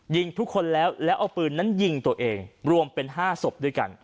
ยิงทุกคนแล้วแล้วเอาปืนนั้นยิงตัวเองรวมเป็น๕ศพด้วยกัน